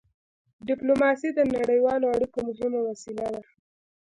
ډيپلوماسي د نړیوالو اړیکو مهمه وسيله ده.